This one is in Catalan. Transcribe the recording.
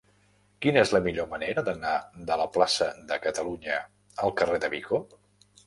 Quina és la millor manera d'anar de la plaça de Catalunya al carrer de Vico?